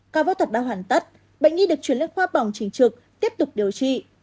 cả phẫu thuật đã hoàn tất bệnh nhi được chuyển lên khoa bỏng chính trực tiếp tục điều trị